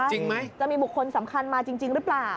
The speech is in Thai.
จะมีบุคคลสำคัญมาจริงหรือเปล่า